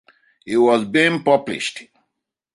He was being published.